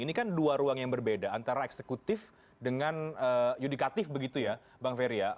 ini kan dua ruang yang berbeda antara eksekutif dengan yudikatif begitu ya bang ferry ya